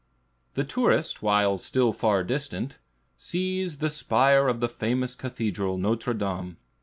The tourist, while still far distant, sees the spire of the famous Cathedral, Nôtre Dame.